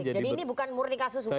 jadi ini bukan murni kasus hukum anda beli